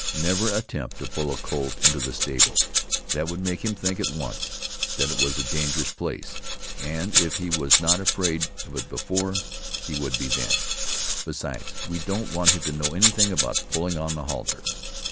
Never attempt to pull the colt into the stable; that would make him think at once that it was a dangerous place, and if he was not afraid of it before, he would be then. Besides we don't want him to know anything about pulling on the halter.